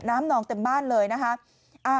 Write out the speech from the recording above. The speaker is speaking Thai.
นองเต็มบ้านเลยนะคะ